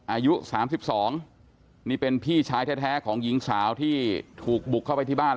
อายุ๓๒นี่เป็นพี่ชายแท้ของหญิงสาวที่ถูกบุกเข้าไปที่บ้าน